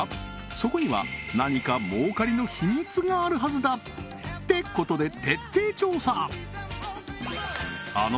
そこには何か儲かりの秘密があるはずだってことで徹底調査！